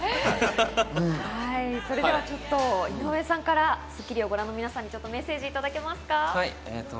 それでは、ちょっと井上さんから『スッキリ』をご覧の皆さんにメッセージをいただけますか。